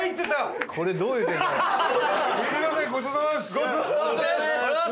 すみませんごちそうさまです！